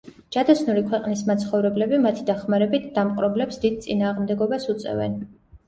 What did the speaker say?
ჯადოსნური ქვეყნის მაცხოვრებლები მათი დახმარებით დამპყრობლებს დიდ წინააღმდეგობას უწევენ.